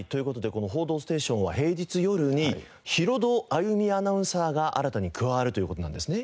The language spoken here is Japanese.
この『報道ステーション』は平日夜にヒロド歩美アナウンサーが新たに加わるという事なんですね？